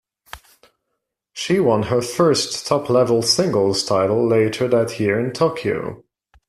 She won her first top-level singles title later that year in Tokyo.